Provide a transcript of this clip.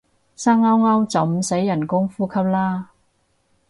生勾勾就唔使人工呼吸啦